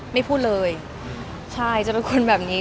ไม่พูดเลยใช่จะเป็นคนแบบนี้